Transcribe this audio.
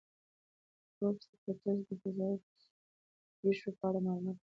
بروس بتز د دې فضایي پیښو په اړه معلومات خپاره کړي دي.